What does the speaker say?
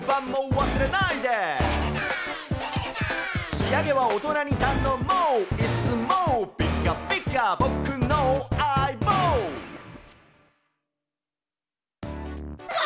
「仕上げは大人にたのもう」「いつもピカピカぼくのあいぼう」わ！